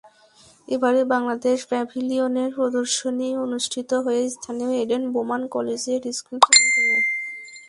এবারে বাংলাদেশ প্যাভিলিয়নের প্রদর্শনী অনুষ্ঠিত হবে স্থানীয় এডেন বোমান কলেজিয়েট স্কুল প্রাঙ্গণে।